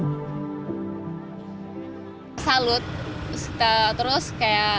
jumio mencari pelayanan untuk mencari pelayanan untuk mencari pelayanan untuk mencari pelayanan